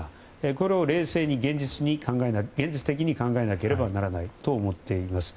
これを冷静に現実的に考えなければならないと思っています。